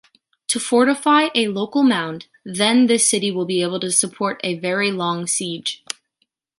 To fortify a local mound, then this city will be able to support a very long siege.